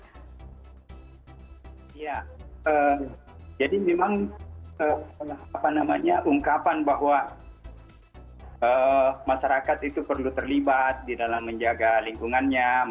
iya jadi memang apa namanya ungkapan bahwa masyarakat itu perlu terlibat di dalam menjaga lingkungan